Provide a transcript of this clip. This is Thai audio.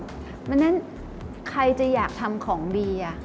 เพราะฉะนั้นใครจะอยากทำของดี